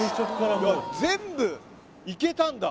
全部いけたんだ。